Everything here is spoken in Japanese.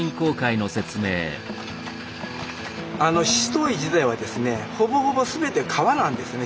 七島藺自体はですねほぼほぼすべて皮なんですね。